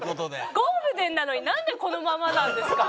ゴールデンなのになんでこのままなんですか？